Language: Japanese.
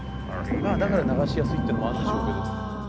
まあだから流しやすいってのもあるんでしょうけど。